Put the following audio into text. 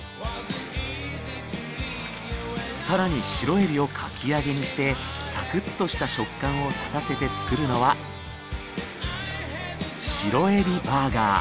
更にシロエビをかき揚げにしてサクッとした食感を立たせて作るのは白えびバーガー。